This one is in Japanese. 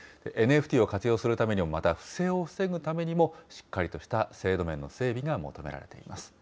ＮＦＴを活用するためにも、不正を防ぐためにも、しっかりとした制度面の整備が求められています。